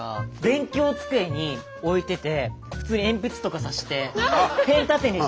勉強机に置いてて普通に鉛筆とか挿してペン立てね。